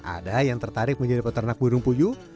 ada yang tertarik menjadi peternak burung puyuh